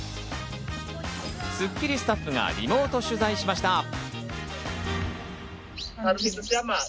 スッキリスタッフがリモート取材しました。